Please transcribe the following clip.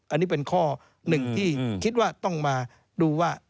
อันนี้เป็นข้อหนึ่งที่คิดว่าต้องมาดูว่า